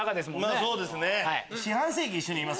まぁそうですね。